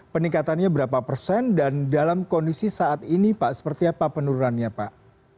peningkatannya berapa persen dan dalam kondisi saat ini pak seperti apa penurunannya pak